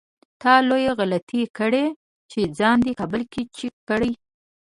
تا لويه غلطي کړې چې ځان دې کابل کې چک کړی.